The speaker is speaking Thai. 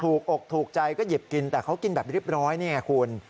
อกถูกใจก็หยิบกินแต่เขากินแบบเรียบร้อยนี่ไงคุณ